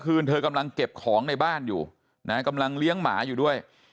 เธอกำลังเก็บของในบ้านอยู่นะกำลังเลี้ยงหมาอยู่ด้วย